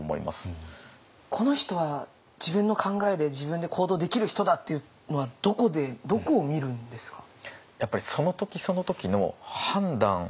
この人は自分の考えで自分で行動できる人だっていうのはどこでどこを見るんですか？